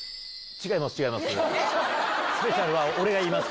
違います！